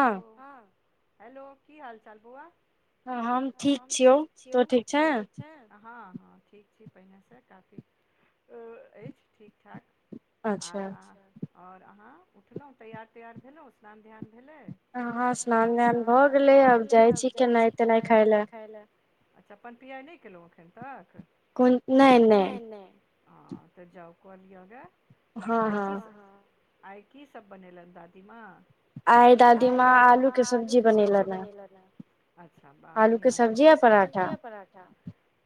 Hello हँ hello की हाल चाल बौआ हम ठीक छियौ तोए ठीक छै हँ हँ ठीक छी पहिने सँ काफी ऐछ ठीक ठाक आर ओर अहाँ उठलहुँ तैयार तैयार भेलहुँ स्नान ध्यान भेलै हा स्नान ध्यान भऽ गेलै आब जाइ छी केना अच्छा अपन पनतीआइ नय कईलो अभी तक नै नै हँ तऽ जाउ कऽ लिअग आइ की आइ की सब बनेलनि दादी माँ आइ दादी माँ आलू के सब्जी बनेलेन यै बाह बढ़िआँ आलूके सब्जी य पराठा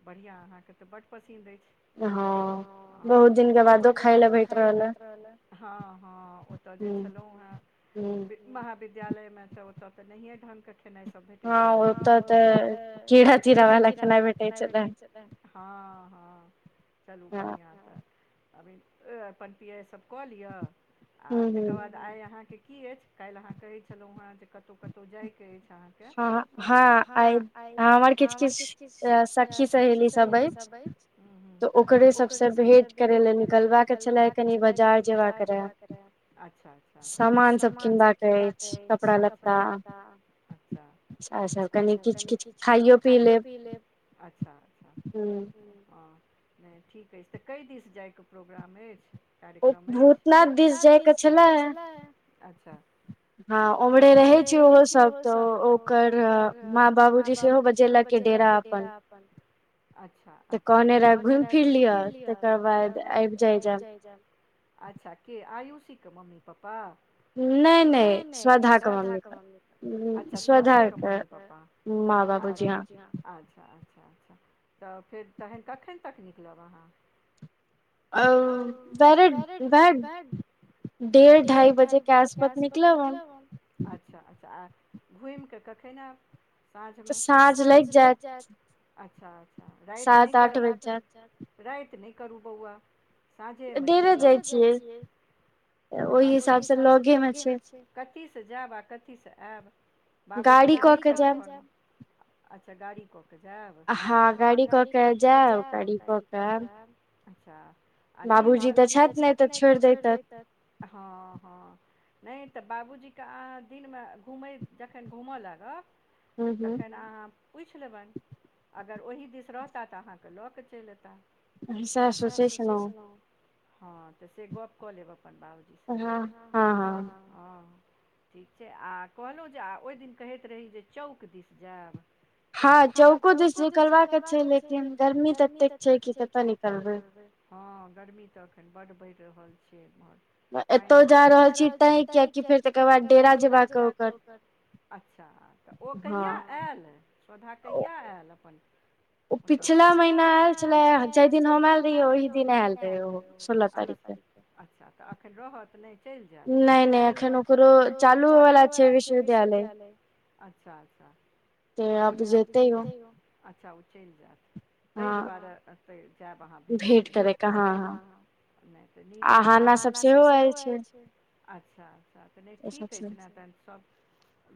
बढ़िआं अहाँके तऽ बड पसिन्द ऐछ हँ बहुत बहुत दिन के बादो खाय लए भेट रहल हे हँ हँ ओतय जे छलो हेँ हूँ महाविद्यालय में तऽ ओतऽ तऽ नहियए ढङ्गके खेनाइ सब भेटै छलै हँ ओतऽ तऽ कड़ा चीड़ व खेनाइ भेटै छले हँ हँ चलू बढ़िआँ अभीन पनपीआइ सब कऽ लिअ आ तकर बाद आइ अहाँके की ऐछ काइल अहाँ कहै छलहुँ हँ जे कतौ कतौ जाइके ऐछ अहाँके ह हँ आइ हमर किछ किछ सखी सहेली सभ ऐछ हूं हूं तऽ ओकरे सभसँ भेँट करय लए निकलबाक छलय कनि बाजार जेयबाक रहए अच्छा अच्छा सामान सब किनबाक ऐछ कपड़ा लत्ता अच्छा अच्छा कनि किछ किछ खाइयो पी लेब अच्छा अच्छा हँ नय ठीक ऐछ तऽ कएइ दिस जायके प्रोग्राम ऐछ कार्यक्रम ऐछ भूतनाथ दिस जाय के छले अच्छा हँ ओमरे रहै छैय ओहो सब तऽ ओकर माँ बाबूजी सेहो बजेलक डेरा अपन अच्छा अच्छा तऽ कहने रह घुइम फिर लिअ तकर बाद आइब जाय जायब अच्छा के आयुषी के मम्मी पप्पा नय नय श्रद्धा के मम्मी मम्मी पापा माँ बाबूजी हा अच्छा अच्छा अच्छा तऽ फेर तखन कखन तक निकलब अहाँ [inaudible] डेढ़ ढाई बजे के आसपास निकलब हम अच्छा अच्छा आ घुइम कऽ कखन आयब साँझ में साँझ लैग जायत अच्छा अच्छ राइत नै करब सात आठ बैज जैत राइत नै करू बौआ साँझे में चैल आउ डेरे जाइ छै अच्छ ओइ हिसाब स लगे में छै कथी स जैब आ कथी स ऐब बाबूजी तऽ [unintelligible] अच्छा गाड़ी क जैब जैब हँ गाड़ी कऽ केँ जैब गाड़ी कऽ केँ ऐब आ नै हुए बाबूजी तऽ छथि नै तऽ छोड़ दैतथ हँ हँ नै तऽ बाबूजी केँ अहाँ दिन में घुमै जखन घुम लगता तऽ [inaudible] तखन अहाँ पूछ लेबैन अगर ओहि दिस रहता तऽ अहाँ कऽ लऽ कऽ चैल एता सेह सोच छलु हँ तऽ से गप कऽ लेब अपन बाबू ह [unintelligible] ठीक छै आ कहलौ जे ओइ दिन कहैत रही जे चौक दिस जैब हँ चौको दि निकलबाक छै लेकिन गर्मी ततेक छै कि कतऽ निकलबै हँ गर्मी तऽ एखन बड बढ़ रहल छै एमहर पाइन एतौ जा रहल छी तैँ कियकि फेर तकर बाद डेरा जैबाक होकत अच्छा तऽ ओ कहिया ऐल सौधा कहिया ऐल अपन पिछला महीन ऐल छलै जै दिन हम ऐल रहियै ओहि दिन ऐल रहै ओ हो सोलह तारीख के अच्छा तऽ अखन रहत नै चैल जैत नै नै अखन ओकरो चालू हो वला छै विश्वविद्यालय भेलै अच्छा अच्छा [inaudible] तऽ आब जेतै औ अच्छा ओ चैल जैत तैय दुआरे से जैब अहाँ भेट भेट कर कऽ हऽ हऽ नै तऽ निक आ हाना सब सेहो ऐल छै अच्छा अच्छा तऽ नै ठीक ऐछ न तह सब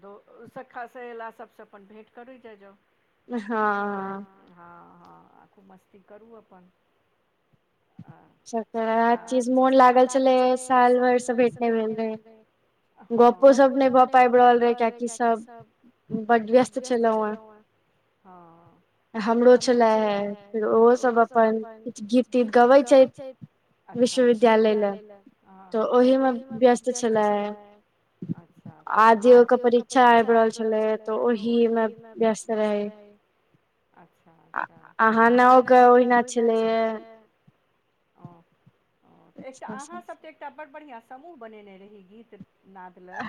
दौ उ शाखा सहेल सबस अपन भेट करै जाइ जैऊ हऽ हऽ हऽ आ खुब मस्ती करू अपन [unintelligible] मोन लागल छलै साल भैर स भेट नै भेल रहै हँ गपो सब नै भऽ पाइब रहल रहे कियैकी सब बढ़ व्यस्त छेलै है हँ हमरो छलै है फेर ओहो सभ अपन कुछ गीत तीत गबैत छथि अच्छा विश्वविद्यालय लै लऽ ह तऽ ओहिमे व्यस्त छलै है अच्छा अच्छा आ जे ओकर परीक्षा आइब रहल छलै तऽ ओहिमे व्यस्त रहै अच्छा अच्छा आ हाना ओ कऽ ओहिना छलै [unintelligible] एकटा अहाँ एकटा बड़ बढ़िया समूह बनेने रहिए गीत नाद लऽ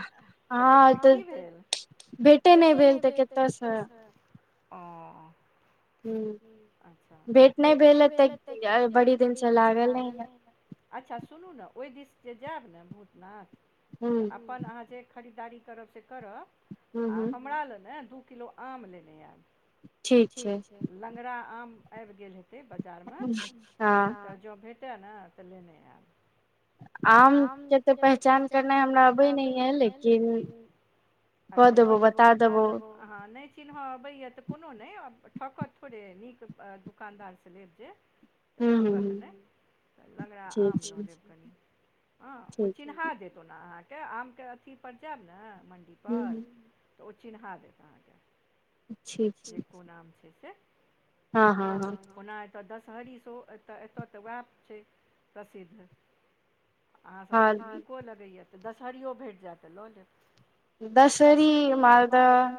तऽ तकर की [inaudible] भेटे नै भेल तऽ केत स [unintelligible] हु अच्छा भेट नै भेल हे तऽ बड़ी दिन स लागल है अच्छा सुनू न ओहि दिस जे जैब न भूतनाथ तऽ अपन अहाँ जे खरीदारी करब से करब आ हमरा लए न दू किलो आम लेने ऐब ठीक छै लंगरा आम आइब गेल हेतै बाजार में हँ जो भे टे न तऽ लेने ऐब आम केँ तऽ पहचान करनै हमरा अबै नै यऽ लेकिन अच्छा कऽ देबो बता देबो अहाँ नै चिन्ह अबैय तऽ कोनो नै ठकत थोड़े नीक दुोकानदार स लेब जे [inaudible] तऽ ठकत नै तऽ लंगराआम लऽ लेब कनि हँ ओ चिन्हा देत ओना अहाँ केँ आम केँ अथी पर जैब न मण्डी पर तऽ ओ चिन्हा देत अहाँ केँ [inaudible] से कौन आम छै से हँ हँ ओना एतय दशहरी सेहो एतय एतय तऽ उएह छैय प्रसिद्ध अहाँ सबके तऽ नीको लगैए तऽ दशहरिओ भेट जायत तऽ लऽ लेब दसहरी मालदाह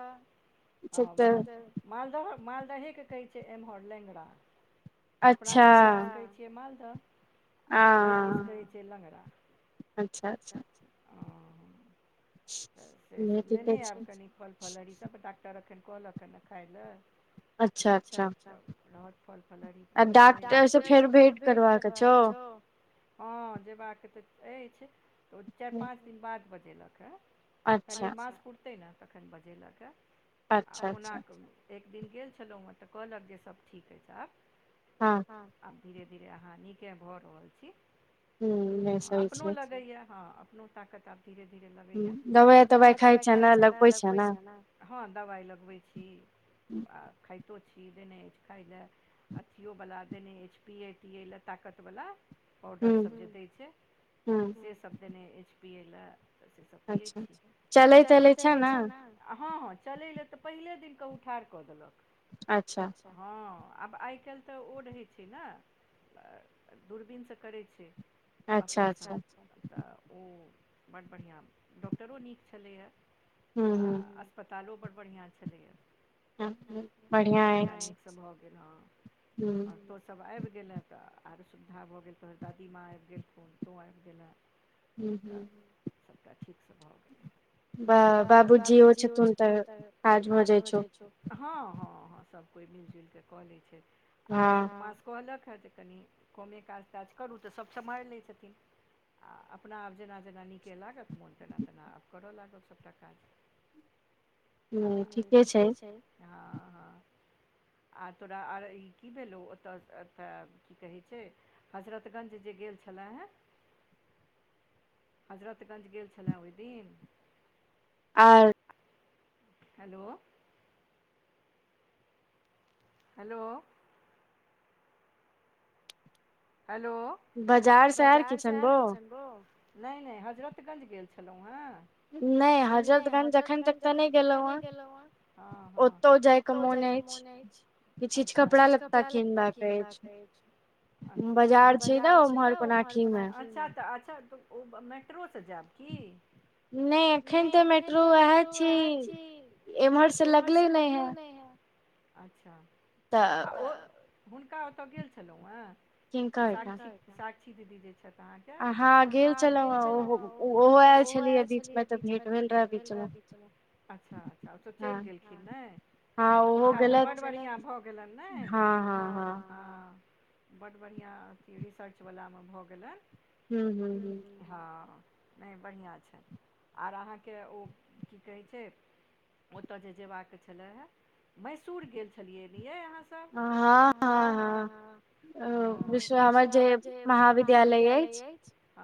हं वैहा मालदह मालदहे के कहै छै एम्हर लेङ्गरा अपना सबके कहैत छियै मालदह आ ई दीस कहैत छियै लँ्गरा अच्छा् अच्छा तऽ से सभ लेने आयब कनि फल फलहरि सब डॉाक्टर एखन कहलक हन खाय लेल अच्छा अच्छा रत फल फलहहारी आ डॉाक्टरसँ फेर भेट करबाक छौ हँ जेबाक के तऽ ऐछ तऽ ओ चार पाँच दिन बाद बजेलक हँ कैल्ह इ मास पुुरतै ने तखन बजेलक ये आ ओना कऽ एक दिन गेल छलो हेँ तऽ कहलक जे सभ ठीक ऐछ आब हँ आ धीरे धीरे अहाँ नीक के भऽ रहल छी रहैए हँ अपनो ताकत आर धीरे धीरे लगैया दबाइ तवाइ खाइ छै ने लगबै छै न हँ दबाइ लगबैत छी आ खाइतो छी देने ऐछ खाइ लेल अथियोवला देने ऐछ पीए तीए ल ताकतवला पाउडरसभ जे दैत छै हूँ से सब देने एच पीए लए तऽ से सब पियै छी चलैत तलै छै ने आ हँ हँ चलैलए तऽ पहिले दिन कऽ ओ ठाढ़ कऽ देलक अच्छा हँ आब आइ काल्ह तऽ ओ रहै छै ने दूरबीन सँ करै छैय अच्छा अच्छा तऽ ओ बड्ड बढ़िआँ डॉक्टरो नीक छलैए आ ओ अस्पतालो बड बढ़िआँ छलैए बढ़िआँ ऐछ तऽ भऽ गेल हँ हूँ आ तोँ सब आब गेल हँ तऽ आर सुविधा भऽ गेल तोर दादीमाँ आब गेलखुन तोँ आब गेलहँ हु हु हु सबटा ठीकस भऽ गेल ब बाबुजियो छथुन तऽ काज भऽ जाइ छौ ह ह ह सब कोइ मिल जुलिकऽ कऽ लैत छैथ आब एक मास कहलक ह जे कनि कमे काज साज करू तऽ सब सम्हारि लैय छथिन आ अपना आब जेना जेना नीके लागत मोन तेना तेना आब करयऽ लागब सबटा काज आ ठीके छय हँ हँ आ तोरा आर ई की भेलौ ओतय तय की कहै छैय हजरतगंज जे गेल छलय है हजरतगंज गेल छलै ओय दिन आर हेलो हेलो हेलो बजार सँ आर किछ अनबो नहि नहि हजरतगंज गेल छलहुँ हेँ नै हजरत गंज जखन तक तऽ नै गेलहु ह ह ह कतौ जाय के मोन अछि किछ किछ कपड़ा लत्ता किनबाक अछि। अच्छा बाजार छी न ओम्हर कोनाठीमे अच्छा तऽ अच्छा त ओ मैट्रोस जैब की नै एखन तऽ मेट्रो वैहा छी। एम्हरस लगले नै ह। अच्छा आ ओ हुनका ओतय गेल छलो ह सातटा [unintelligible] सााक्षी दीदी देलखिन। आहाके अहा गेल छलहुँ ओहो आयल छलियै बीचमे तऽ भेट भेल रहैय। अच्छा अच्छा ओ सब चलि गेलखिन नै हुनका तऽ बड बढ़िया भऽ गेलनि नैय ह ह बड्ड बढ़ियाँ अथी रिसर्च बलामे भऽ गेलैन ह ह ह नै बढ़िया छैन आर अहाके ओ की कहै छैय ओतय जे जेबाक छलै ह मैसुर गेल छलियै ये आहा सब त ह ह ह त ओ [unintelligible] ऊ उ ह विश्व [unintelligible] हमर जे महाविद्यालय अछि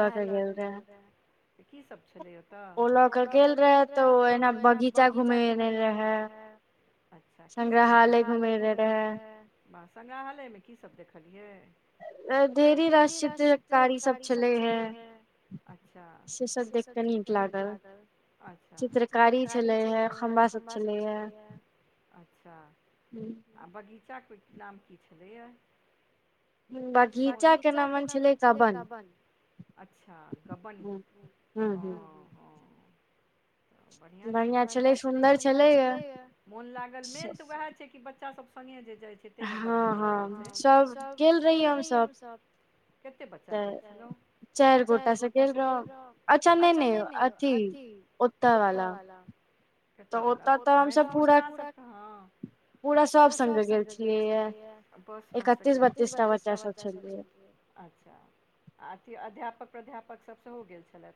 उएह लऽ क गेल रहै त की सब [inaudible] छलैय ओतह ओ लऽ कऽ गेल रहैय तऽ ओ एहिना बगीचा घुमेे रहैय। अच्छा की सब संग्रहालय घुमने रहैय। बाह संग्राहालयमे की सब देखलियै। ढेरी रास चित्रकारी सब छलैय ह अच्छा सेसब देख क निक लागल अच्छा चित्रकारी छलेय ह [unintelligible] खम्बा सब छलैय ह अच्छा आ बगीचाके नाम की छलैय ह। बगीचा के नाम छलैय ह दबन। अच्छा गबन ओ बढ़िया छैय बढ़िया छलैय ह सुन्दर छलैये मोन लागल मेन त उएह छै बच्चा सभ संगे जे जाइ छैय तैयमे बड्ड मोन लगैय छैय सभ गेल रहियै हम सब। कते बच्चा गेल छलहु [inaudible] चार गोटा स गेल रहउ अच्छा नै नै अथी ओतय वाला केतय वला अच्छा ओतय वला ह मैसुर स आनलय ह। पुरा सब संगे गेल छलिये ह बसमे इक्तीस बत्तीसटा बच्चा सब छलिये ह। अच्छा आ अथी अध्यापक प्राध्यापक सब सेहो गेल छलै ह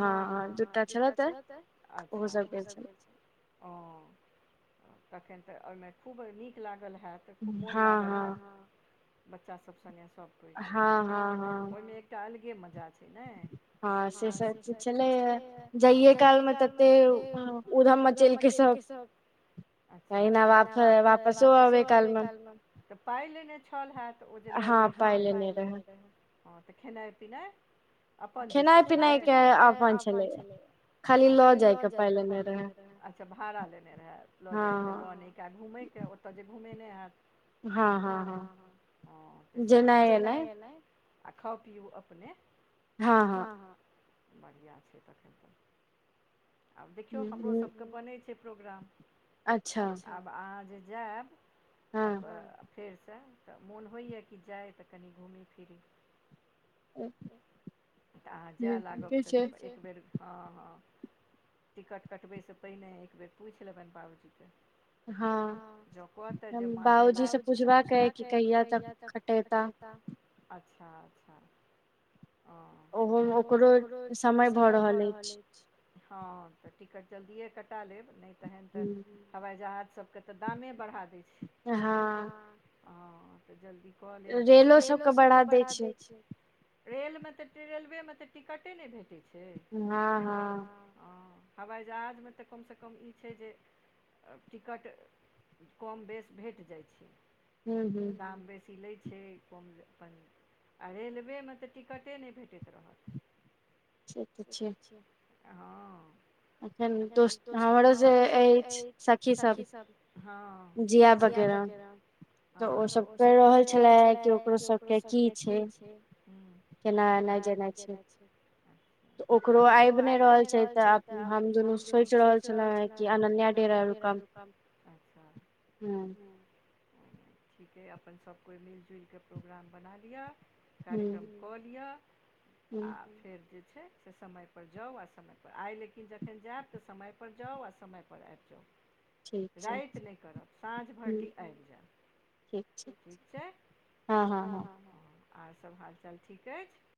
ह ह ह दुटा छलैथ ह अच्छा ओ सब गेल छलैथ। ह तखन तऽ ओहिमे खुब नीक लागल हैत खुब मोन लागल हेत‌, ह-ह-ह बच्चा सबसने सब कोइ के ओयमे हंऽ-हंऽ-हऽ अलगे मजा छै ने हं, से सब त छेलै जाइए काल मे तते उधम मचेलके सब अच्छा एहिना राखो वापसो आबै काल मे तऽ पाय लेने। फल हेत ओ जे लऽ गेल रहा हॅं तऽ खेनाइ पिनाइ अपन दिस स छलै, खेला पिनाइ आपन छलैय खाली लऽ जाय के पाय लेने रहय अच्छा भाड़ा लेने रहय लऽ जाय के एकटा घुमैयके ओतऽ जे घुमेने हैत हँ हँ हँ तऽ से जेनाय एनाय आ खाउ पिउ अपने हँ हँ बढ़ियाँ छै तखन आब देखियौ हमरो सबके बनै छै प्रोग्राम अच्छा आब अहाँ जे जैब अपन फेरसँ तऽ मोन होइए कि जाय तऽ कनि घुमी फिरी तऽ अहाँ जै लागब तऽ एक बेर ठीक छै एक बेर हँ हँ टिकट कटबैसँ पहिने एक बेर पूछि लेबनि बाबूजीके हँ जँ कहतै जे माजैला बाबुजी सँ पुछबाक अय जे कहिया तब खटैता अच्छा अच्छा ओ ओहोमे ओकरो समय भऽ रहल अछि हँ तऽ टिकट जल्दिए कटा लेब नय तहन तऽ हवाई जहाज सबके तऽ दामे बढ़ा दै छै हँ तऽ जल्दी कऽ लेब तऽ रेलो सभके बढ़ा दै छै रेलमे तऽ र्टेरेलवेमे तऽ टिकटे नय भेटै छै हॅं हँ हवाई जहाजमे तऽ कमसँ कम ई छै जे टिकट कम बेस भेट जाइ छै दाम बेसी लै छै छै कम अपन आ रेलवेमे तऽ टिकटे नय भेटैत रहत से तऽ छै हँ एखन दोस्त हमरो सँ अछि सखीसभ हँ जिया बगैरह हँ तऽ ओसभ कहि रहल छलै कि ओकरो सबके की छै केना एनाइ जेनाइ छै ओकरो आबि नय रहल छै तऽ आब हम दुनू सोचि रहल छलौं हें कि अनन्या डेरा रुकब ह्ँ ठीक अय अपन सब कोइ मिल जुलि कऽ प्रोग्राम बना लिय कार्यक्रम कऽ लिअ आ फेर जे छै से समय पर जाउ आ स आइ लेकिन जखैन जायब तऽ समय पर जाउ आ समय पर आबि जाउ राति नय करब साँझ भरली आबि जायब ठीक छै हँ हँ हँ आओर सभ हाल चाल ठीक अछि